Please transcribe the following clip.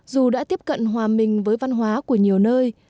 dù đã tiếp cận hòa mình với văn hóa của nhiều nơi